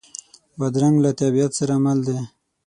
بادرنګ له طبیعت سره مل دی.